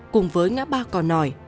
cùng với ngã ba cò nòi